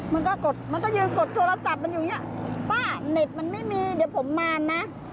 มันก็กดมันก็ยืนกดโทรศัพท์มันอยู่อย่างเงี้ยป้าเน็ตมันไม่มีเดี๋ยวผมมานะ